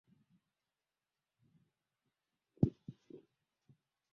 Vita ni mbaya katika jamiii